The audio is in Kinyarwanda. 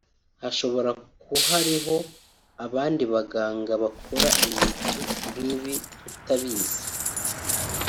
hashobora kuhariho abandi baganga bakora ibitu nk’ibi tutabizi